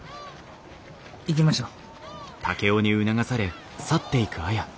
行きましょう。